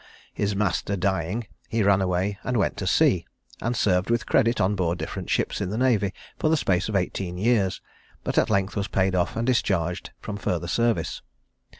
His master dying, he ran away and went to sea, and served with credit on board different ships in the navy, for the space of 18 years; but at length was paid off and discharged from further service.